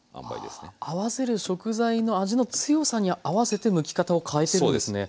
合わせる食材の味の強さに合わせてむき方を変えてるんですね。